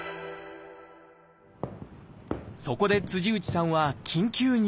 そこで内さんは緊急入院。